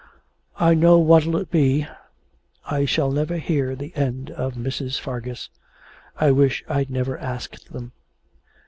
'I know what it'll be. I shall never hear the end of Mrs. Fargus. I wish I'd never asked them.'